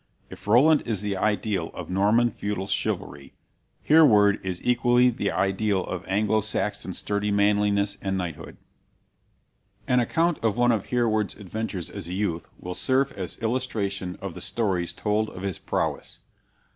If Roland is the ideal of Norman feudal chivalry, Hereward is equally the ideal of Anglo Saxon sturdy manliness and knighthood. An account of one of Hereward's adventures as a youth will serve as illustration of the stories told of his prowess.